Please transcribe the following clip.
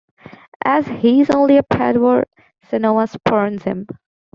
As he is only a padwar, Sanoma spurns him.